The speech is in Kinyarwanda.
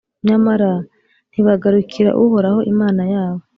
nyamara ntibagarukira Uhoraho, Imana yabo,